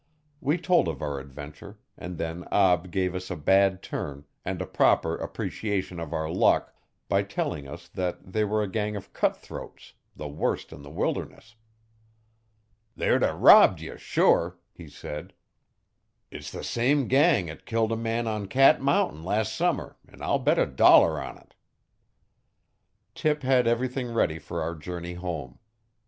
We told of our adventure and then Ab gave us a bad turn, and a proper appreciation of our luck, by telling us that they were a gang of cut throats the worst in the wilderness. 'They'd a robbed ye sure,' he said. 'It's the same gang 'at killed a man on Cat Mountain las' summer, an' I'll bet a dollar on it.' Tip had everything ready for our journey home.